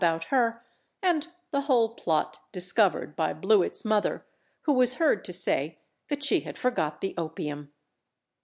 about her, and the whole plot discovered by Blewit's mother who was heard to say that she had forgot the opium.